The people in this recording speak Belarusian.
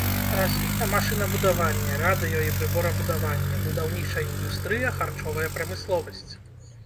Развіта машынабудаванне, радыё- і прыборабудаванне, будаўнічая індустрыя, харчовая прамысловасць.